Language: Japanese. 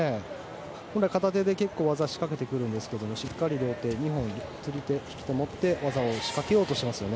肩で技を仕掛けてくるんですけどしっかり２本釣り手、引き手持って技を仕掛けようとしていますね。